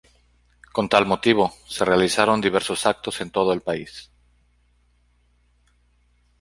Con tal motivo, se realizaron diversos actos en todo el país.